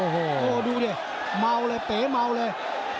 โอ้โหดูดิเมาเลยเป๋เมาเลย